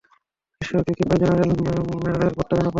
ঈশ্বরকে কৃপায় জেনারেল ম্যানেজারের পদটা যেন পাই।